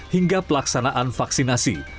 hingga pelaksanaan vaksinasi